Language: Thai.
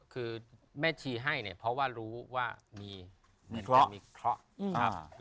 คือแม่ชีให้เนี่ยรู้ว่ามีเคราะห์